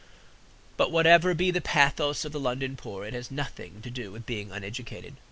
But whatever be the pathos of the London poor, it has nothing to do with being uneducated.